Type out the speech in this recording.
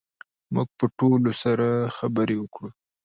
موږ به ټولو سره خبرې وکړو